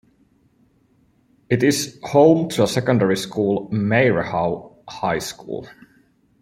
It is home to a secondary school, Mairehau High School.